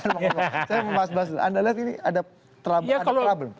saya mau bahas bahas dulu anda lihat ini ada problem